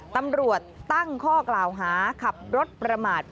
ตำรวจตั้งข้อกล่าวหาขับรถประมาท